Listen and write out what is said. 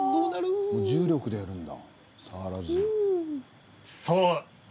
重力でやるんだ。